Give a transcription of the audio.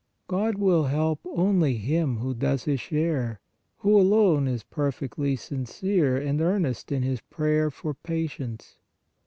" God will help only him who does his share, who alone is perfectly sincere and earnest in his prayer for patience.